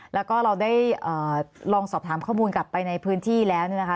แล้วก็เราได้ลองสอบถามข้อมูลกลับไปในพื้นที่แล้วเนี่ยนะคะ